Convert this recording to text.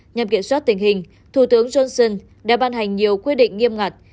nhằm kiểm soát tình hình thủ tướng johnson đã ban hành nhiều quy định nghiêm ngặt